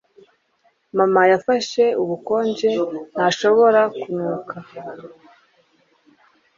Mama yafashe ubukonje ntashobora kunuka.